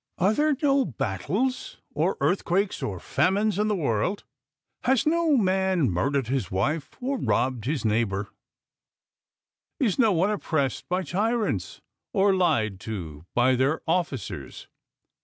Are there no battles or earth 208 THE POET'S ALLEGORY quakes or famines in the world ? Has no man murdered his wife or robbed his neighbour? Is no one oppressed by tyrants or lied to by their officers."